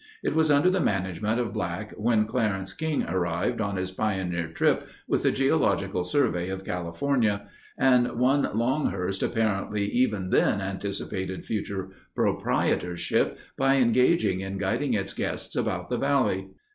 It was under the management of Black when Clarence King arrived on his pioneer trip with the Geological Survey of California, and one Longhurst apparently even then anticipated future proprietorship by engaging in guiding its guests about the valley.